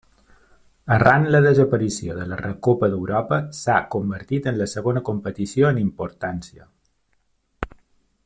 Arran la desaparició de la Recopa d'Europa s'ha convertit en la segona competició en importància.